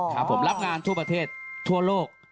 ครับผมรับงานทั่วประเทศทั่วโลก